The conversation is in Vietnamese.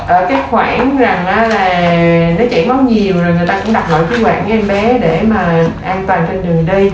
ở cái khoảng là nó chảy máu nhiều rồi người ta cũng đặt nổi cái quạt với em bé để mà an toàn trên đường đi